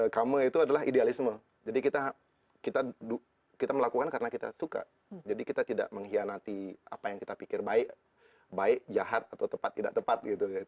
kamu itu adalah idealisme jadi kita melakukan karena kita suka jadi kita tidak mengkhianati apa yang kita pikir baik baik jahat atau tepat tidak tepat gitu